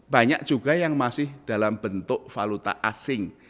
banyak juga yang masih dalam bentuk valuta asing